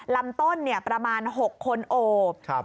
ลำต้นประมาณ๖คนโอบ